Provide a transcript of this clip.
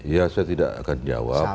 ya saya tidak akan jawab